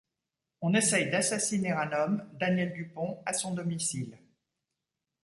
On essaye d'assassiner un homme, Daniel Dupont, à son domicile.